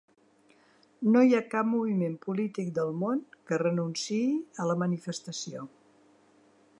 No hi ha cap moviment polític del món que renunciï a la manifestació.